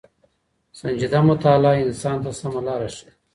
سنجيده مطالعه انسان ته سمه لاره ښيي.